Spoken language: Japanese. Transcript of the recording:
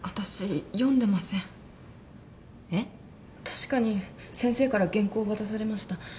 確かに先生から原稿渡されました。